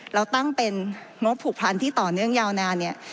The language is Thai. เราตั้งเป็นงบผูกพันที่ต่อเนื่องยาวนานเนี่ย